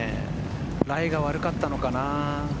ライが悪かったのかな。